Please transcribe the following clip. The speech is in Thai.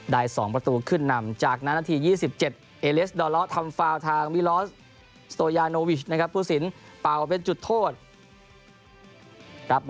ได้สองประตูขึ้นนำจากนี้นาทียี่สิบเจ็บ